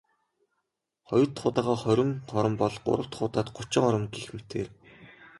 Хоёр дахь удаагаа хорин хором бол.. Гурав дахь удаад гучин хором гэх мэтээр.